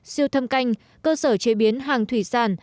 siêu thâm canh cơ sở chế biến hàng thủy sản